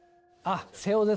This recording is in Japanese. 瀬尾です。